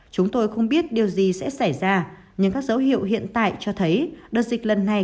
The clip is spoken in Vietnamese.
chúng tôi không biết điều gì sẽ xảy ra nhưng các dấu hiệu hiện tại cho thấy đợt dịch lần này